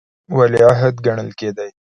ولیعهد ګڼل کېدی.